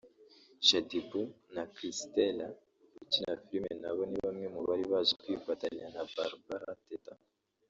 Shaddy Boo na Christella ukina filime nabo ni bamwe mu bari baje kwifatanya na Barbara Teta